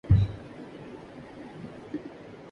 حکومتی پالیسیاں روپے